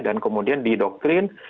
dan kemudian didoktrin